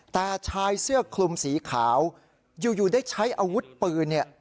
แต่ชายเสื้อคลุมสีขาวอยู่ได้ใช้อาวุธปืนเนี่ย